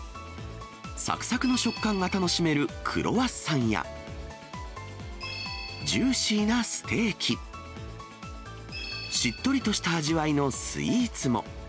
さくさくの食感が楽しめるクロワッサンやジューシーなステーキ、しっとりとした味わいのスイーツも。